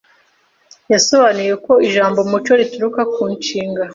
yasobanuye ko ijambo umuco rituruka ku nshinga